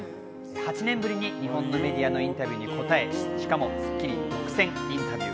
８年ぶりに日本のメディアのインタビューに答え、しかも『スッキリ』独占インタビュー。